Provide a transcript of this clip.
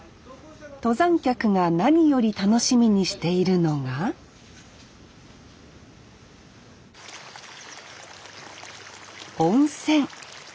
登山客が何より楽しみにしているのが温泉。